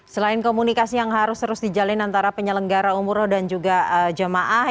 selain komunikasi yang harus terus dijalin antara penyelenggara umroh dan juga jemaah